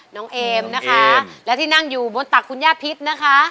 เอมนะคะและที่นั่งอยู่บนตักคุณย่าพิษนะคะ